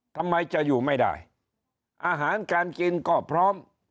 ทำไมจะอยู่ไม่ได้อาหารการกินก็พร้อม